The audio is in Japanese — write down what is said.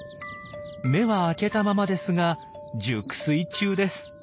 目は開けたままですが熟睡中です。